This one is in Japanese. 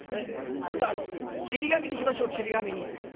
今度ちり紙にしましょうちり紙に。